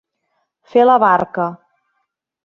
Fer la barca.